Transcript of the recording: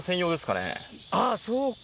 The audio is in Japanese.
あぁそうか！